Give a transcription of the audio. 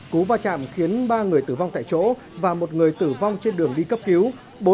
cú va chạm khiến ba người tử vong tại chỗ và một người tử vong trên đường đi cấp cứu